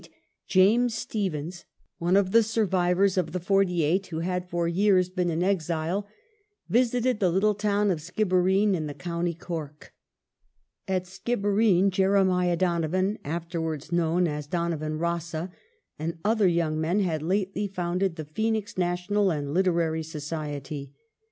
374 THE IRISH QUESTION May, 1858, James Stephens, one of the survivors of the '48, who had for years been in exile, visited the little town of Skibbereen in the County Cork. At Skibbereen Jeremiah Donovan, afterwards known as O'Donovan Rossa, and other young men had lately founded the Phoenix National and Literary Society.